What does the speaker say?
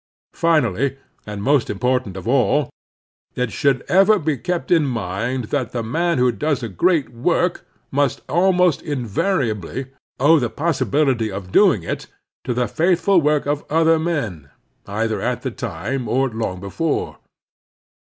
Finally, and most important of all, it should ever be kept z8z x8a The Strenuous Life in mind that the man who does a great work must ahnost invariably owe the possibility of doing it to the faithful work of other men, either at the time or long before.